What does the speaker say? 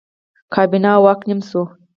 کابینه او واک نیم شو.